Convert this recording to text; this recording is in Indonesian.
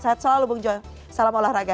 sehat selalu bung joy salam olahraga